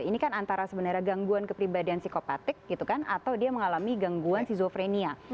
ini kan antara sebenarnya gangguan kepribadian psikopatik gitu kan atau dia mengalami gangguan skizofrenia